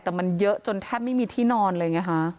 แต่มันเยอะจนแทบไม่มีที่นอนเลยไงฮะ